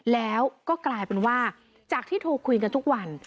แล้วก็กลายเป็นว่าจากที่โทรคุยกันทุกวัน